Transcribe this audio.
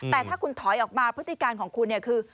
แต่ถ้าคุณถอยออกมาพฤติการของคุณเนี่ยคือ